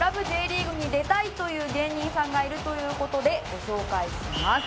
Ｊリーグ』に出たいという芸人さんがいるという事でご紹介します。